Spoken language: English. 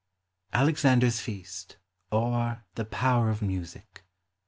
ALEXANDER'S FEAST; OR, THE POWER OF MLTSIC.